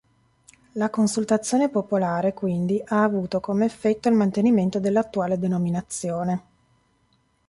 La consultazione popolare quindi ha avuto come effetto il mantenimento dell'attuale denominazione.